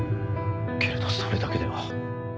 けれどそれだけでは。